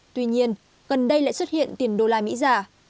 tuy nhiên gần đây lại xuất hiện tiền đô la mỹ giả